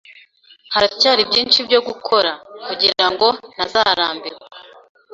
Haracyari byinshi byo gukora, kugirango ntazarambirwa.